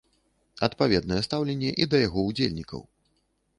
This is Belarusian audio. Адпаведнае стаўленне і да яго ўдзельнікаў.